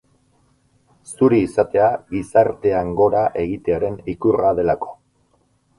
Zuri izatea gizartean gora egitearen ikurra delako.